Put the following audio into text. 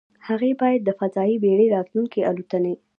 هغې باید د فضايي بېړۍ راتلونکې الوتنې